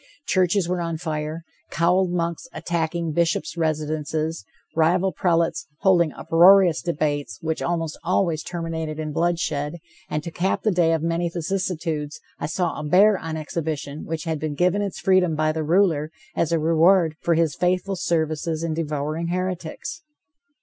Churches were on fire, cowled monks attacking bishops' residences, rival prelates holding uproarious debates, which almost always terminated in bloodshed, and, to cap the day of many vicissitudes, I saw a bear on exhibition which had been given its freedom by the ruler, as a reward for his faithful services in devouring heretics.